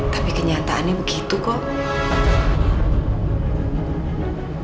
tapi kenyataannya begitu kok